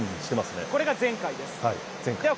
これが前回です。